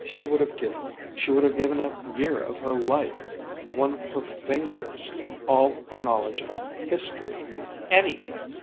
She would have given she would have given a year of her life one of her fingers all her knowledge of history anything!